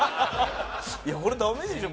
いやこれダメでしょ。